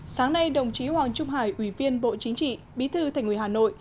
sáng nay đồng chí hoàng trung hải ủy viên bộ chính trị bí thư thành ủy hà nội